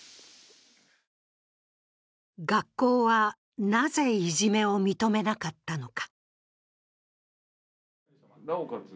学校は、なぜいじめを認めなかったのか。